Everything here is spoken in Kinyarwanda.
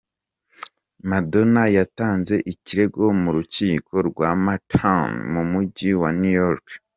Madonna yatanze ikirego mu rukiko rwa Manhattan mu Mujyi wa New York.